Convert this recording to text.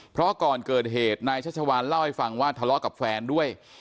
เพราะก่อนเกิดเหตุนายชัชวานเล่าให้ฟังว่าทะเลาะกับแฟนด้วย